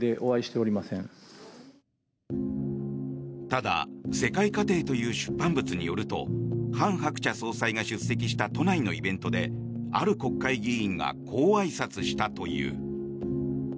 ただ、「世界家庭」という出版物によるとハン・ハクチャ総裁が出席した都内のイベントである国会議員がこうあいさつしたという。